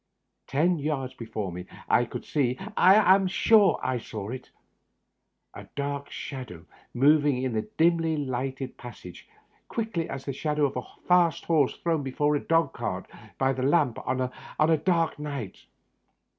Ten yards before me I could see — I am sure I saw it — a dark shadow moving in the dimly lighted passage, quickly as the shadow of a fast horse thrown before a dog cart by the lamp on a dark night.